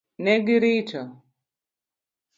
Ne girito.